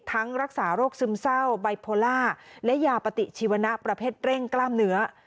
รักษาโรคซึมเศร้าไบโพล่าและยาปฏิชีวนะประเภทเร่งกล้ามเนื้อ